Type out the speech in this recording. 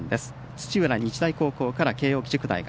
土浦日大高校から慶応義塾大学。